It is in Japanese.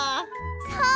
そう！